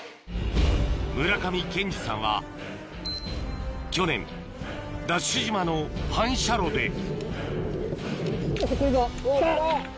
村上健二さんは去年ＤＡＳＨ島の反射炉で来るぞ来た！